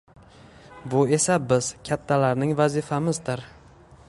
Bu esa biz, kattalarning vazifamizdir.